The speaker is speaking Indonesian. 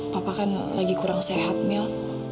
papa kan lagi kurang sehat mel